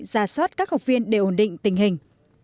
giả soát các học viên để ổn định tình hình